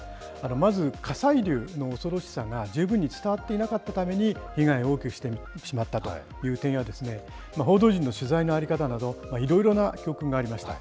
まず、火砕流の恐ろしさが十分に伝わっていなかったために、被害を大きくしてしまったという点や、報道陣の取材の在り方など、いろいろな教訓がありました。